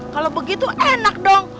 kalau begitu enak dong